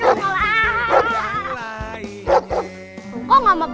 boleh jangan lari mulu dong met